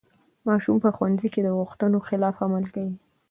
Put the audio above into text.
ماشوم په ښوونځي کې د غوښتنو خلاف عمل کوي.